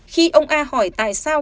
khi ông a hỏi tại sao